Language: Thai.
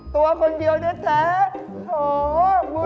ตัวคนเดียวเนื้อแท้